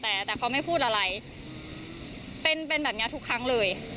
แต่แต่เขาไม่พูดอะไรเป็นเป็นแบบนี้ทุกครั้งเลย